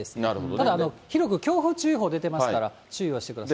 ただ広く強風注意報出てますから、注意はしてください。